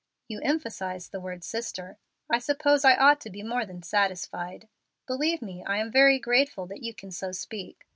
"You emphasize the word 'sister.' I suppose I ought to be more than satisfied. Believe me I am very grateful that you can so speak.